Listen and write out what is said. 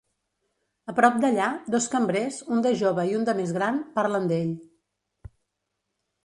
A prop d'allà, dos cambrers, un de jove i un de més gran, parlen d'ell.